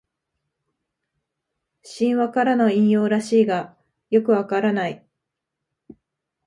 神話からの引用らしいがよくわからない